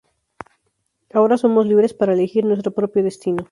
Ahora somos libres para elegir nuestro propio destino.